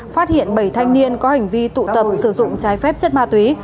phát hiện bảy thanh niên có hành vi tụ tập sử dụng trái phép chất ma túy